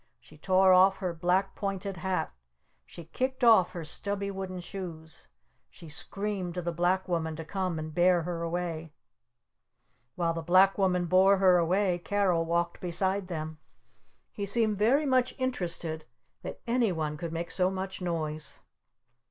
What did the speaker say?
She tore off her black pointed hat! She kicked off her stubby wooden shoes! She screamed to the Black Woman to come and bear her away! While the Black Woman bore her away Carol walked beside them. He seemed very much interested that any one could make so much noise.